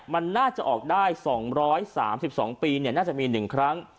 มันน่าจะออกได้๒๓๒ปีน่าจะมี๑ครั้ง